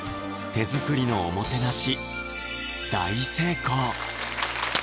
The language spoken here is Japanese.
手作りのおもてなし大成功！